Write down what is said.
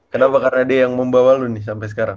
kenapa karena dia yang membawa lu nih sampai sekarang